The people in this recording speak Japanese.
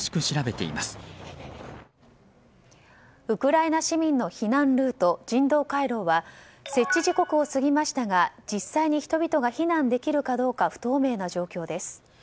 ウクライナ市民の避難ルート人道回廊は設置時刻を過ぎましたが実際に人々が避難できるかどうか不透明な状況です。